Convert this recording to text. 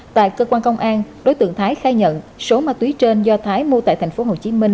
tại cơ quan công an đối tượng thái khai nhận số ma túy trên do thái mua tại thành phố hồ chí minh